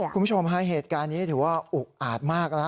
คุณผู้ชมฮะเหตุการณ์นี้ถือว่าอุกอาจมากแล้ว